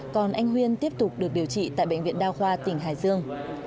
còn anh huyên tiếp tục được điều trị tại bệnh viện đa khoa tỉnh hải dương